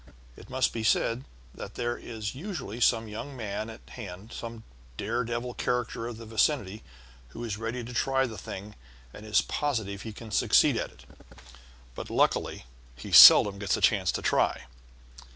It must be said that there is usually some young man at hand, some dare devil character of the vicinity, who is ready to try the thing and is positive he can succeed at it. But, luckily, he seldom gets a chance to try.